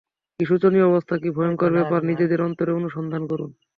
কি শোচনীয় অবস্থা! কি ভয়ঙ্কর ব্যাপার! নিজেদের অন্তরে অনুসন্ধান করুন।